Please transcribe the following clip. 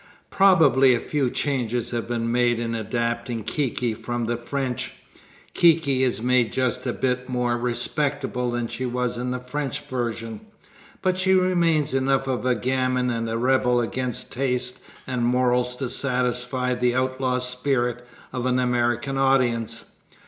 Probably a few changes have been made in adapting Kiki from the French. Kiki is made just a bit more respectable than she was in the French version, but she remains enough of a gamin and a rebel against taste and morals to satisfy the outlaw spirit of an American audience.